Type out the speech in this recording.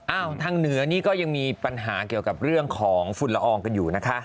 ทางเหนือนี่ก็ยังมีปัญหาเกี่ยวกับเรื่องของฝุ่นละอองกันอยู่นะคะ